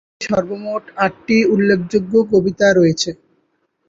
এতে সর্বমোট আটটি উল্লেখযোগ্য কবিতা রয়েছে।